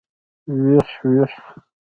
ويح ويح.